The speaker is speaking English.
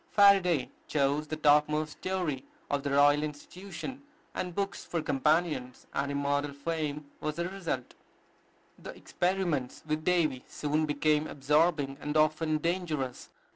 Faraday chose the topmost story of the Royal Institution, and books for companions, and immortal fame was the result. The experiments with Davy soon became absorbing, and often dangerous.